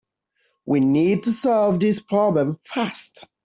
We need to solve this problem fast.